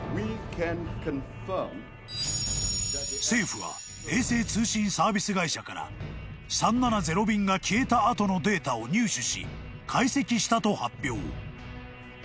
［政府は衛星通信サービス会社から３７０便が消えた後のデータを入手し解析したと発表］